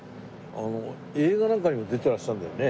あの映画なんかにも出てらっしゃるんだよね？